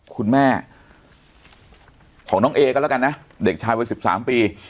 คุณแม่ของน้องเอกอ่ะหละกันนะเด็กชายวันสิบสามปี